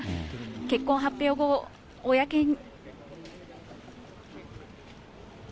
結婚発表後、公に。